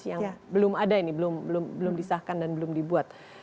yang belum ada ini belum disahkan dan belum dibuat